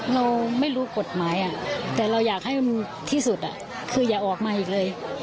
เราไม่รู้กฎหมายแต่เราอยากให้มันที่สุดคืออย่าออกมาอีกเลย